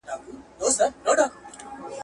سړي وویل د کاکا زوی دي حاکم دئ.